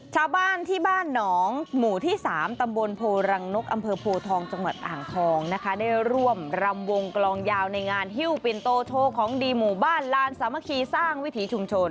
ชาวบ้านที่บ้านหนองหมู่ที่๓ตำบลโพรังนกอำเภอโพทองจังหวัดอ่างทองนะคะได้ร่วมรำวงกลองยาวในงานฮิ้วปินโตของดีหมู่บ้านลานสามัคคีสร้างวิถีชุมชน